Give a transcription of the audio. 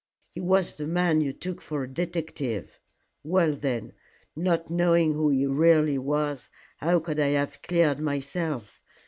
"He was the man you took for a detective." "Well, then, not knowing who he really was, how could I have cleared myself?